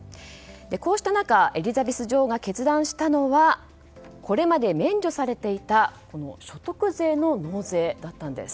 こうした中、エリザベス女王が決断したのはこれまで免除されていた所得税の納税だったんです。